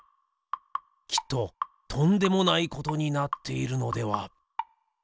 きっととんでもないことになっているのでは？